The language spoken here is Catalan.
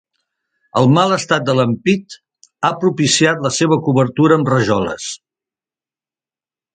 El mal estat de l'ampit ha propiciat la seva cobertura amb rajoles.